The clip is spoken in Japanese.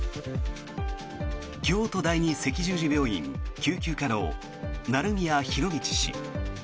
京都第二赤十字病院救急科の成宮博理氏。